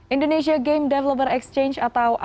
indonesia game developer exchange atau